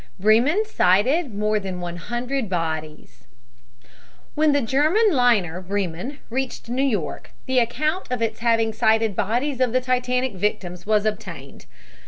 BREMEN SIGHTED MORE THAN A HUNDRED BODIES When the German liner Bremen reached New York the account of its having sighted bodies of the Titanic victims was obtained.